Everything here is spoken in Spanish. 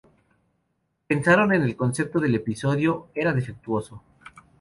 Pensaron que el concepto del episodio era "defectuoso".